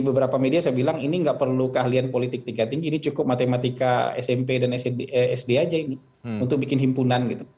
beberapa media saya bilang ini nggak perlu keahlian politik tingkat tinggi ini cukup matematika smp dan sd aja ini untuk bikin himpunan gitu